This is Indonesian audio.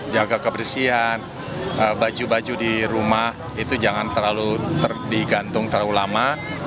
jaga kebersihan baju baju di rumah itu jangan terlalu digantung terlalu lama